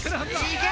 いけ！